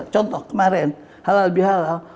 contoh kemarin halal bihalal